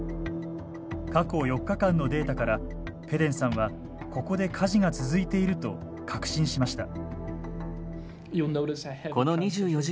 過去４日間のデータからペデンさんはここで火事が続いていると確信しました。